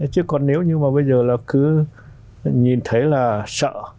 chứ còn nếu như mà bây giờ là cứ nhìn thấy là sợ